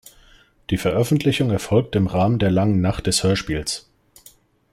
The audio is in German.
Die Veröffentlichung erfolgt im Rahmen der Langen Nacht des Hörspiels.